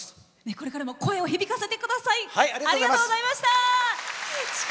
これからも声を響かせてください。